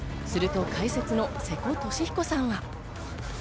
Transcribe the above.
すると解説の瀬古利彦さんは。